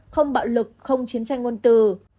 không bạo lực không chiến tranh ngôn từ